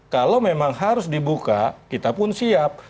kalau memang harus dibuka kita pun siap